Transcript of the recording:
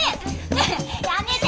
ねえやめて！